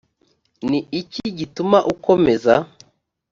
ni iki gituma ukomeza